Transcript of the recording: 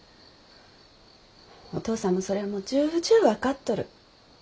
お父さんもそれはもう重々分かっとる。